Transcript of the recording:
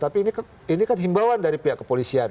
tapi ini kan himbauan dari pihak kepolisian